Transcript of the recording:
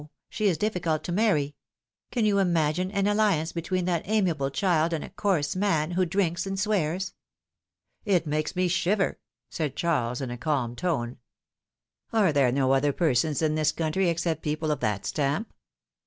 She is difficult to marry. Can you imagine an alliance between that amiable child and a coarse man, who drinks and swears?" It makes me shiver," said Charles, in a calm tone. ^^Are there no other persons in this country except people of that stamp?"